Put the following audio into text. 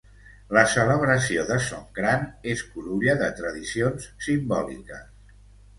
La celebració de Songkran és curulla de tradicions simbòliques.